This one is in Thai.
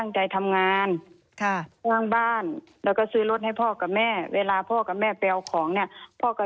ในรายการถามตรงกับคุณจอมขวัญเอาไว้ว่ายังไงบ้างนะคะ